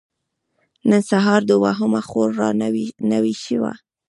نن سهار دوهمه خور را نوې شوه.